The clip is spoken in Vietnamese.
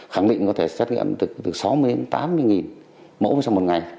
khẳng định có thể xét nghiệm từ sáu mươi đến tám mươi mẫu trong một ngày